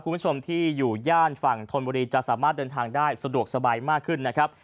คุณผู้ชมที่อยู่ย่านฝั่งธนบุรีจะสามารถเดินทางได้สะดวกสบายมากขึ้นนะครับ